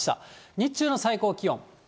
日中の最高気温。